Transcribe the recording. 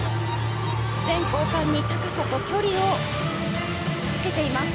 全交換に高さと距離をつけています。